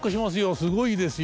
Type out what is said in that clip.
すごいですよ